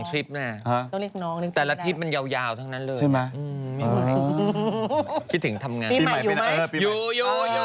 เรียกพี่เรียกพี่ตั้ง๒ชิปเนี่ย